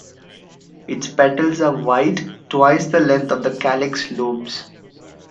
Its petals are white, twice the length of the calyx lobes.